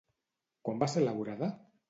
Quan va ser elaborada?